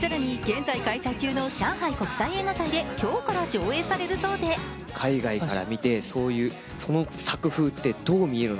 更に現在開催中の上海国際映画祭で今日から上映されるそうで続いては、お天気です。